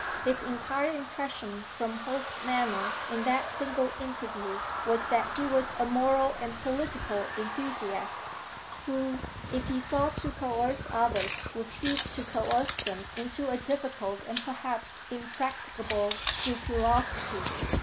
His entire impression from Holt's manner in that single interview was that he was a moral and political enthusiast, who, if he sought to coerce others, would seek to coerce them into a difficult, and perhaps impracticable, scrupulosity.